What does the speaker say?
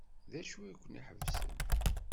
D acu ay kem-iḥebsen?